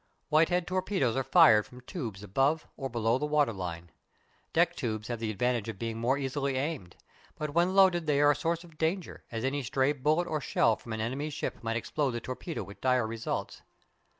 Whitehead torpedoes are fired from tubes above or below the waterline. Deck tubes have the advantage of being more easily aimed, but when loaded they are a source of danger, as any stray bullet or shell from an enemy's ship might explode the torpedo with dire results.